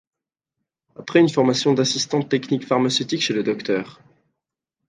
Après une formation d'assistante technique pharmaceutique chez le Dr.